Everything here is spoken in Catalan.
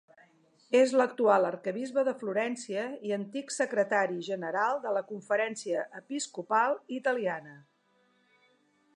És l'actual arquebisbe de Florència i antic secretari general de la Conferència Episcopal Italiana.